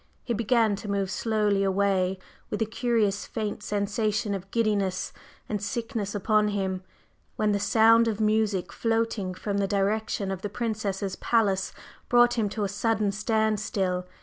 He began to move slowly away with a curious faint sensation of giddiness and sickness upon him, when the sound of music floating from the direction of the Princess Ziska's palace brought him to a sudden standstill.